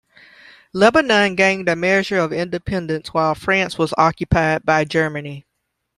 Lebanon gained a measure of independence while France was occupied by Germany.